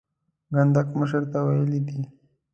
کنډک مشر ته ویلي دي.